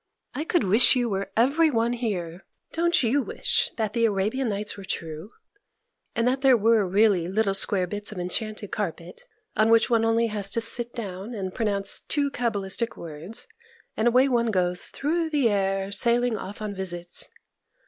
I could wish you were every one here. Don't you wish that "The Arabian Nights" were true? and that there were really little square bits of enchanted carpet, on which one has only to sit down and pronounce two cabalistic words, and away one goes through the air, sailing off on visits?